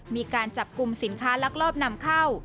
มีการจับกลุ่มสินค้าลักลอบนำเข้า